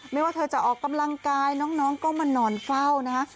ไม่ว่าเธอจะออกกำลังกายน้องก็มานอนเฝ้านะฮะ